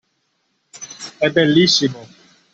E' bellissimo!